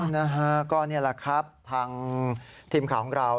นะฮะก็นี่แหละครับทางทีมข่าวของเรา